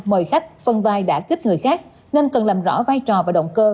mời khách phân vai đã kích người khác nên cần làm rõ vai trò và động cơ